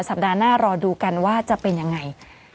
สัปดาห์หน้ารอดูกันว่าจะเป็นยังไง